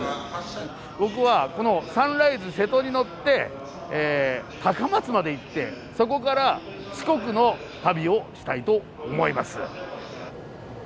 僕はこのサンライズ瀬戸に乗って高松まで行ってそこから四国の旅をしたいと思います。